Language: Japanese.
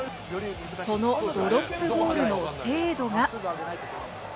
そのドロップゴールの精度が。